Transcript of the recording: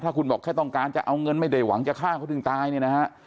ถ้าคุณบอกแค่ต้องการจะเอาเงินไม่ได้หวังจะฆ่าเขาถึงตายเนี่ยนะฮะ